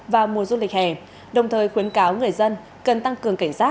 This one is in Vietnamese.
vào mùa du lịch hè đồng thời khuyến cáo người dân cần tăng cường cảnh giác